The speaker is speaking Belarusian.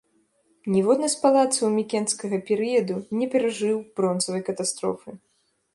Ніводны з палацаў мікенскага перыяду не перажыў бронзавай катастрофы.